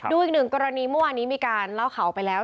อีกหนึ่งกรณีเมื่อวานนี้มีการเล่าข่าวไปแล้ว